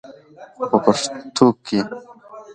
خو په پښتو کښې